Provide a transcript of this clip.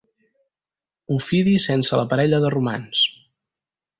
Ofidi sense la parella de romans.